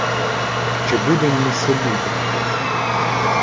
Чи будем ми собі брати?